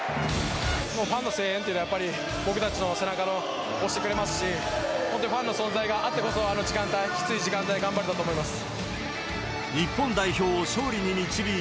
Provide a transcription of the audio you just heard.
もうファンの声援というのは、やっぱり僕たちの背中を押してくれますし、本当にファンの存在があってこそ、あの時間帯、きつい時間帯、頑張れたと思います。